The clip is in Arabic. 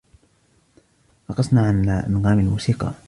رقصنا على أنغام الموسيقى.